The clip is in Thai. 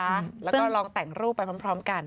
แล้วก็ลองแต่งรูปไปพร้อมกัน